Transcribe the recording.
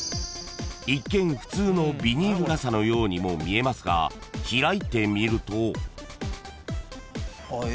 ［一見普通のビニール傘のようにも見えますが開いてみると］